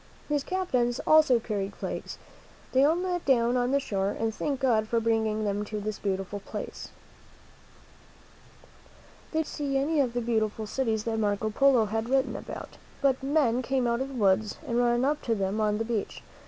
His captains also carried flags. They all knelt down on the shore and thanked God for bringing them to this beautiful place. They did not see any of the beautiful cities that Marco Polo had written about, but men came out of the woods and ran up to them on the beach.